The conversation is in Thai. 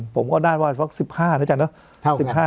ผมก็น่าว่าถึงษัก๑๕นะจังนะ